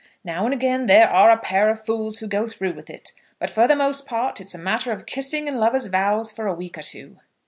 Now and again there are a pair of fools who go through with it; but for the most part it's a matter of kissing and lovers' vows for a week or two."